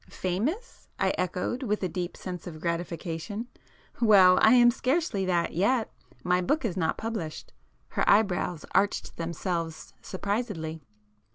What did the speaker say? "Famous?" I echoed with a deep sense of gratification—"Well,—I am scarcely that,—yet! My book is not published ..." Her eyebrows arched themselves surprisedly.